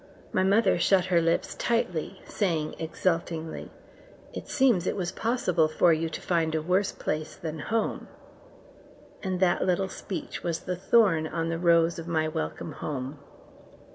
My mother shut her lips tightly, saying exultingly, "It seems it was possible for you to find a worse place than home"; and that little speech was the thorn on the rose of my welcome home.